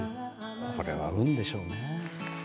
これは運でしょうね。